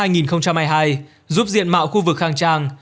giúp diện mạo khu vực khang trang